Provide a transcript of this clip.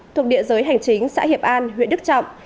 thuộc địa giới hành chính xã hiệp an huyện đức trọng